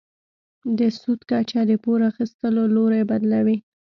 د سود کچه د پور اخیستلو لوری بدلوي.